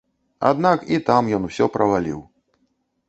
Аднак і там ён усё праваліў.